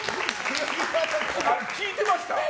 聞いてました？